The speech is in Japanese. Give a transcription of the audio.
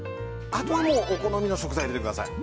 あとはもうお好みの食材を入れてください。